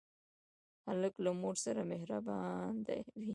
هلک له مور سره مهربان وي.